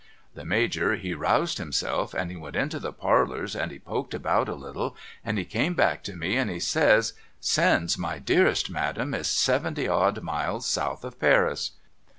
The Major he roused himself and he went into the Parlours and he poked about a little, and he came back to me and he says, ' Sens my dearest madam is seventy odd miles south of Paris.'